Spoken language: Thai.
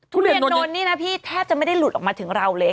ทุเรียนนนท์นี่นะพี่แทบจะไม่ได้หลุดออกมาถึงเราเลย